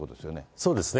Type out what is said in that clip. そうですね。